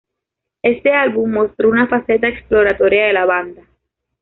Este álbum mostró una faceta exploratoria de la banda.